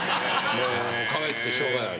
もう可愛くてしょうがない。